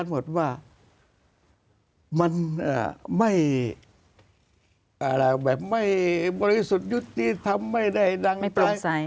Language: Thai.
แบบเค้าอย่างงั้นไม่บริสุทธิ์จิตทำให้ไม่ได้ดังตราย